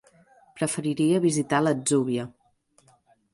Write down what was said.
Preferiria visitar l'Atzúbia.